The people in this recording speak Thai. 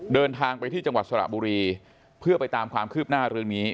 เดินทางไปที่จังหวัดสระบุรีเพื่อไปตามความคืบหน้าเรื่องนี้